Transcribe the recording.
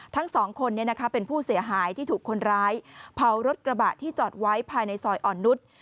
ทั้งสองคนเป็นผู้เสียหายที่ถูกคนร้ายเผารถกระบะที่จอดไว้ภายในซอยอ่อนนุษย์